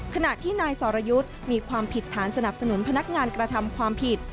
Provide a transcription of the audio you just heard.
ขณะที่นายสรยุทธ์มีความผิดฐานสนับสนุนพนักงานกระทำความผิด